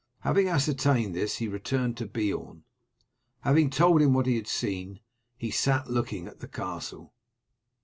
Having ascertained this he returned to Beorn. Having told him what he had seen, he sat looking at the castle.